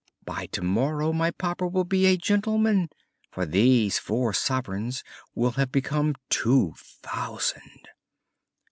"By tomorrow my papa will be a gentleman, for these four sovereigns will have become two thousand."